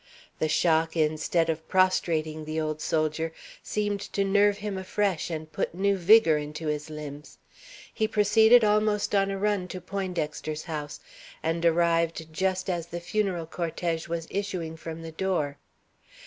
The shock, instead of prostrating the old soldier, seemed to nerve him afresh and put new vigor into his limbs. He proceeded, almost on a run, to Poindexter's house, and arrived just as the funeral cortège was issuing from the door.